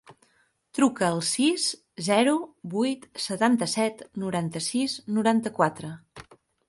Truca al sis, zero, vuit, setanta-set, noranta-sis, noranta-quatre.